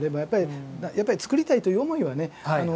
やっぱり作りたいという思いはねくむんで。